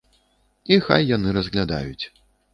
І хай яны разглядаюць.